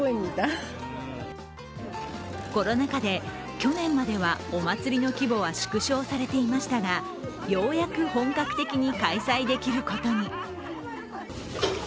コロナ禍で、去年まではお祭りの規模は縮小されていましたがようやく本格的に開催できることに。